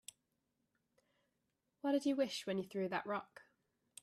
What'd you wish when you threw that rock?